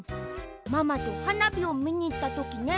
ママとはなびをみにいったときね